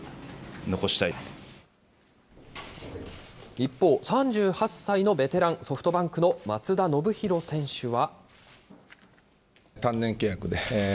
一方、３８歳のベテラン、ソフトバンクの松田宣浩選手は。